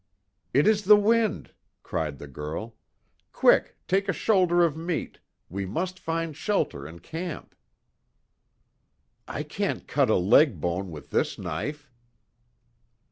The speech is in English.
"It is the wind!" cried the girl, "Quick, take a shoulder of meat! We must find shelter and camp." "I can't cut a leg bone with this knife!"